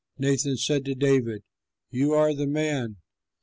Nathan said to David, "You are the man!